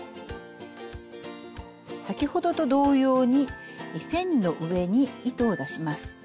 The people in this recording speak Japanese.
先ほどと同様に線の上に糸を出します。